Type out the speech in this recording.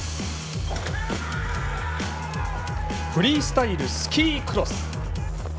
フリースタイル・スキークロス。